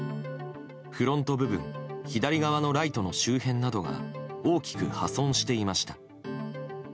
フロント部分左側のライトの周辺などが大きく破損していました。